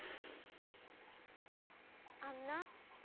あんな。